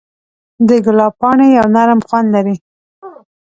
د ګلاب پاڼې یو نرم خوند لري.